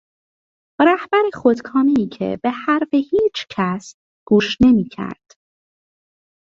رهبر خودکامهای که به حرف هیچکس گوش نمیکرد